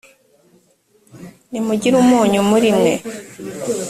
nimugire umunyu muri mwe